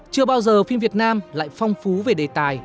chưa bao giờ phim việt nam lại phong phú về đề tài